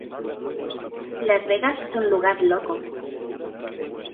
Las Vegas es un lugar loco".